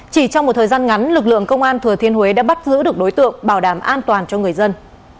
chỉ trong một thời gian ngắn lực lượng công an thừa thiên huế đã bắt giữ được đối tượng bảo đảm an toàn cho người dân